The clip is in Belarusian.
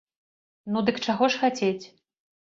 Ну, дык чаго ж хацець?